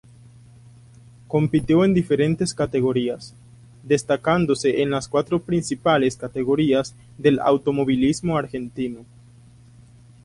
Compitió en diferentes categorías, destacándose en las cuatro principales categorías del automovilismo argentino.